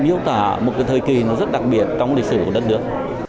đúng là một thời kỳ rất đặc biệt trong lịch sử của đất nước